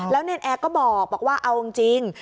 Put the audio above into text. แล้วแนนแอร์ก็บอกว่าเอาจริง